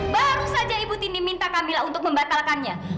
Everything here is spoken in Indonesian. baru saja ibu tini minta camilla untuk membatalkannya